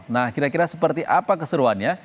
nah kira kira seperti apa keseruannya